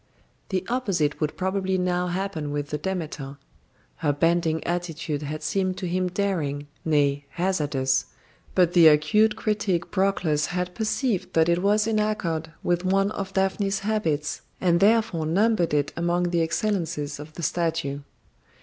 The opposite would probably now happen with the Demeter. Her bending attitude had seemed to him daring, nay, hazardous; but the acute critic Proclus had perceived that it was in accord with one of Daphne's habits, and therefore numbered it among the excellences of the statue.